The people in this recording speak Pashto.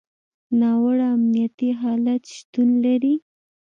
ناوړه امنیتي حالت شتون لري.